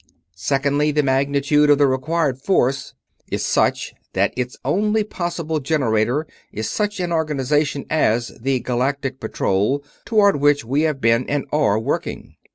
Second: the magnitude of the required force is such that its only possible generator is such an organization as the Galactic Patrol toward which we have been and are working.